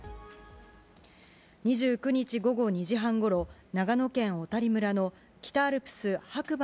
２９日午後２時半ごろ、長野県小谷村の北アルプス白馬